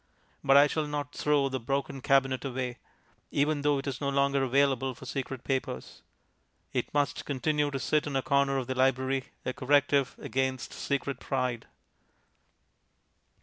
But I shall not throw the broken cabinet away, even though it is no longer available for secret papers. It must continue to sit in a corner of the library, a corrective against secret pride.